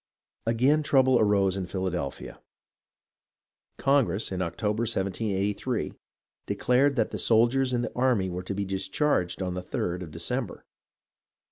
Again trouble arose in Philadelphia. Congress, in Octo ber, 1783, declared that the soldiers in the army were to be discharged on the 3d of December.